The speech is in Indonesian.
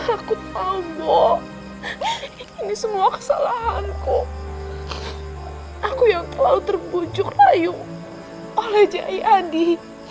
aku tahu mbok ini semua kesalahanku aku yang terlalu terbujuk rayu oleh jaya adi